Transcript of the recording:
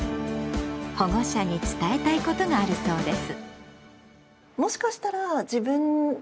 保護者に伝えたいことがあるそうです。